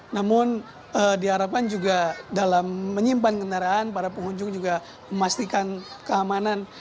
namun diharapkan juga dalam menyimpan kendaraan para pengunjung juga memastikan keamanan